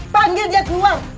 panggil dia keluar